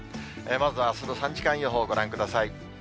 まずあすの３時間予報ご覧ください。